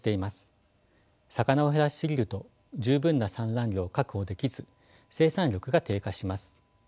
魚を減らしすぎると十分な産卵量を確保できず生産力が低下します。